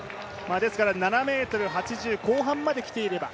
ですから７ｍ８０後半まで来ていれば